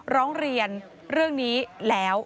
ร้องเรียนเรื่องนี้แล้ว